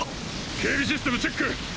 警備システムチェック。